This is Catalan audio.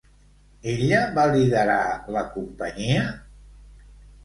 Ella va liderar la companyia?